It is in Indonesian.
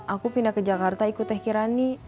aku pindah ke jakarta ikut teh kirani